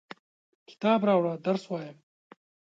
کتاب راوړه ، درس وایم!